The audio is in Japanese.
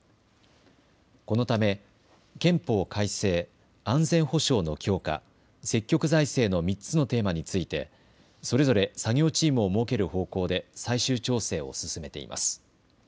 このため、憲法改正、安全保障の強化、積極財政の３つのテーマについてそれぞれ作業チームを設ける方向で最終調整を進めています。